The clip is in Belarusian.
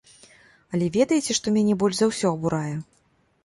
Але ведаеце, што мяне больш за ўсё абурае?